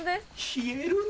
冷えるね。